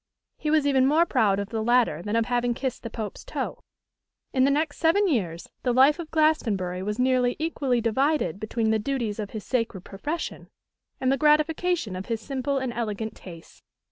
He was even more proud of the latter than of having kissed the Pope's toe. In the next seven years the life of Glastonbury was nearly equally divided between the duties of his sacred profession and the gratification of his simple and elegant tastes.